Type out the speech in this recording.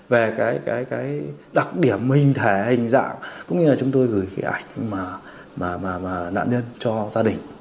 về cái đặc điểm hình thể hình dạng cũng như là chúng tôi gửi cái ảnh mà nạn nhân cho gia đình